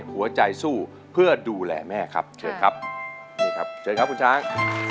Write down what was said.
หัวใจสู้เพื่อดูแลแม่ครับเชิญครับนี่ครับเชิญครับคุณช้าง